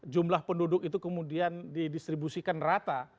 jumlah penduduk itu kemudian didistribusikan rata